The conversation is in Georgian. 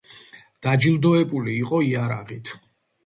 დაჯილდოებული იყო იარაღით.